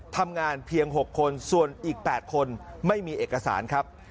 ทำงานเพียง๖คนส่วนอีก๘คนไม่มีเอกสารครับ